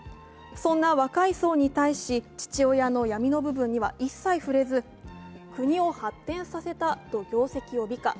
そんな若い層に対し、父親の闇の部分には一切触れず国を発展させたと業績を美化。